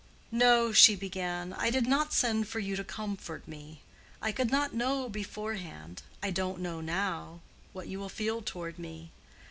"No," she began: "I did not send for you to comfort me. I could not know beforehand—I don't know now—what you will feel toward me.